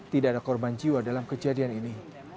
tidak ada korban jiwa dalam kejadian ini